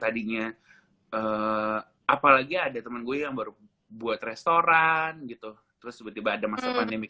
tadinya apalagi ada temen gue yang baru buat restoran gitu terus tiba tiba ada masa pandemi